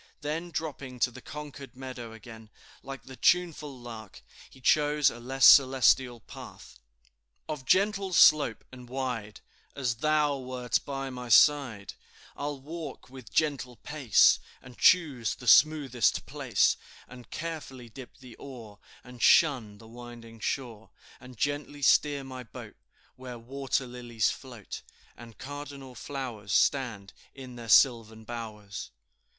Then dropping to the Concord meadow again, like the tuneful lark, he chose a less celestial path "Of gentle slope and wide, As thou wert by my side; I'll walk with gentle pace, And choose the smoothest place, And careful dip the oar, And shun the winding shore, And gently steer my boat Where water lilies float, And cardinal flowers Stand in their sylvan bowers."